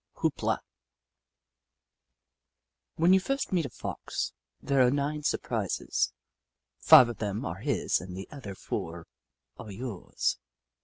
HOOP LA When you meet a Fox, there are nine surprises. Five of them are his and the other four are yours.